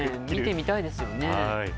見てみたいですよね。